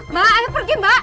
bapak ayo pergi keluar